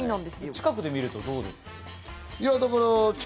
近くで見ると、どうですか？